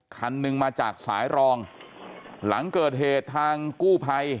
คันหนึ่งมาจากสายรองหลังเกิดเหตุทางกู้ภัย